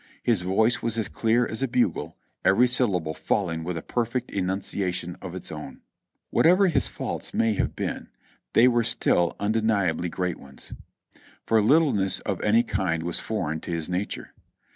His voice was as clear as a bugle, every syllable falling with a perfect enunciation of its own. Whatever his faults may have been, they were still undeniably great ones ; for littleness of any kind was foreign to his nature.